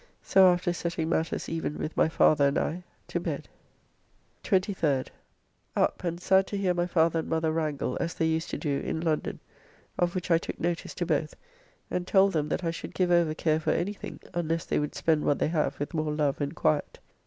So after setting matters even with my father and I, to bed. 23rd. Up, and sad to hear my father and mother wrangle as they used to do in London, of which I took notice to both, and told them that I should give over care for anything unless they would spend what they have with more love and quiet.